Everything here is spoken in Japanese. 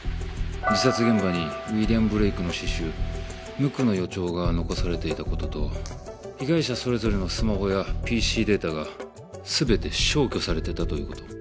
自殺現場にウィリアム・ブレイクの詩集『無垢の予兆』が残されていた事と被害者それぞれのスマホやＰＣデータが全て消去されてたという事。